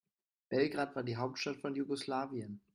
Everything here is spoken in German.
Belgrad war die Hauptstadt von Jugoslawien.